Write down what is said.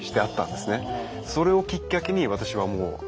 それをきっかけに私はもう。